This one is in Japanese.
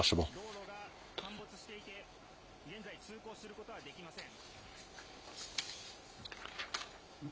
道路が陥没していて、現在、通行することはできません。